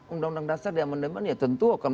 undang undang dasar di amandemen ya tentu akan